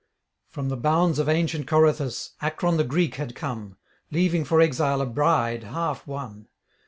From the bounds of ancient Corythus Acron the Greek had come, leaving for exile a bride half won.